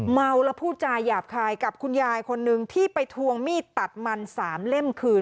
เมาแล้วพูดจาหยาบคายกับคุณยายคนนึงที่ไปทวงมีดตัดมัน๓เล่มคืน